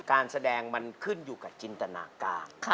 การแสดงมันขึ้นอยู่กับจินตนาการ